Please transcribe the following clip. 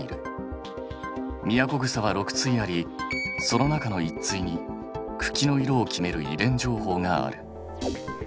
ミヤコグサは６対ありその中の１対に茎の色を決める遺伝情報がある。